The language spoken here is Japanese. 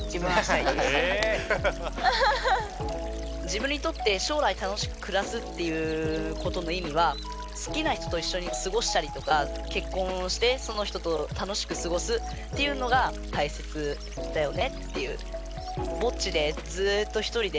自分にとって将来楽しく暮らすっていうことの意味は好きな人といっしょに過ごしたりとか結婚をしてその人と楽しく過ごすっていうのがたいせつだよねっていう。